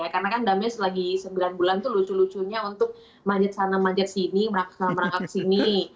karena kan damenya selagi sembilan bulan tuh lucu lucunya untuk manjat sana manjat sini merangkap sini